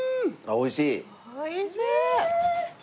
おいしい！